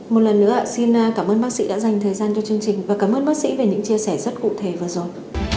một lần nữa xin cảm ơn bác sĩ đã dành thời gian cho chương trình và cảm ơn bác sĩ về những chia sẻ rất cụ thể vừa rồi